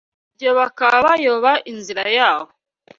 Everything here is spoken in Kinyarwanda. ibyo bakaba bayoba inzira yabo